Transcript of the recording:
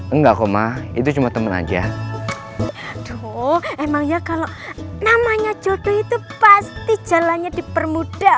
enggak koma itu cuma teman aja emangnya kalau namanya jodoh itu pasti jalannya dipermudah